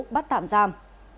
phát tạm giam